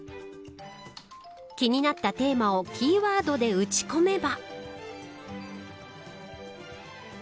気になったテーマをキーワードで打ち込めば。